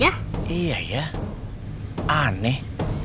abis ini dia mau bantuin